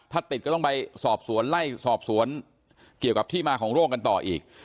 ถ้าติดก็ต้องไปสอบสวนไล่สอบสวนเกี่ยวกับที่มาของโรคกันต่ออีก